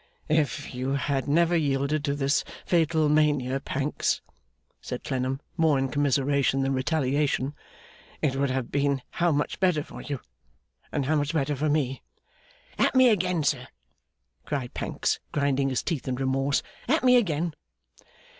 'If you had never yielded to this fatal mania, Pancks,' said Clennam, more in commiseration than retaliation, 'it would have been how much better for you, and how much better for me!' 'At me again, sir!' cried Pancks, grinding his teeth in remorse. 'At me again!